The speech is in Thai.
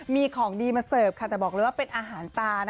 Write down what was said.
มีของดีมาเสิร์ฟค่ะแต่บอกเลยว่าเป็นอาหารตานะ